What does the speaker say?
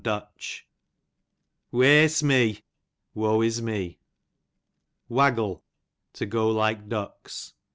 Du. Waesme, woe is me. Waggle, to go like ducks.